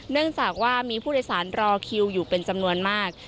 เนื่องจากว่ามีผู้โดยสารรอคิวอยู่เป็นจำนวนมาก